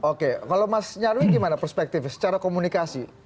oke kalau mas nyarwi gimana perspektifnya secara komunikasi